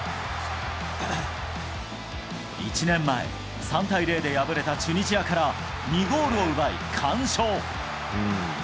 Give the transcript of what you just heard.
１年前、３対０で敗れたチュニジアから２ゴールを奪い完勝。